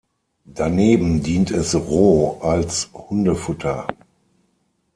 Daneben dient es roh als Hundefutter.